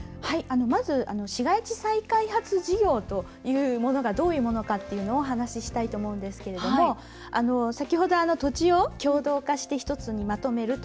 まず、市街地再開発事業というものがどういうものかっていうのをお話したいと思うんですけれども先ほど、土地を共同化して１つにまとめると。